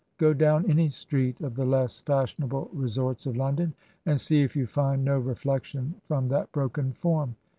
Go down any street of the less fashionable re sorts of London and see if you find no reflection from that broken form!